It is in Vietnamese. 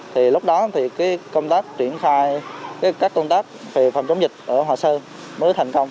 thì lúc đó cái công tác chuyển khai cái các công tác về phòng chống dịch ở hòa sơn mới thành công